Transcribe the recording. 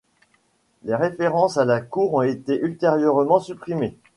Les références à la cour ont été ultérieurement supprimées.